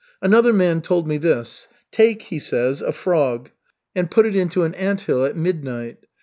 Another man told me this: 'Take,' he says, 'a frog, and put it into an anthill at midnight.